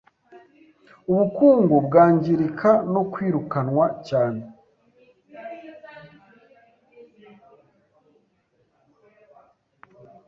Ubukungu bwangirika no kwirukanwa cyane